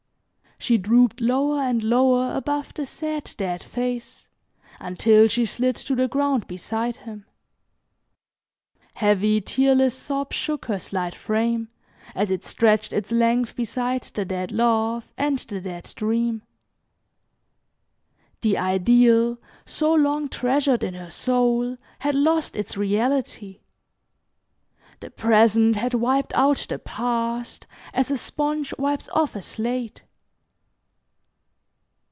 She drooped lower and lower above the sad, dead face until she slid to the ground beside him. Heavy tearless sobs shook her slight frame as it stretched its length beside the dead love and the dead dream. The ideal so long treasured in her soul had lost its reality. The present had wiped out the past as a sponge wipes off a slate.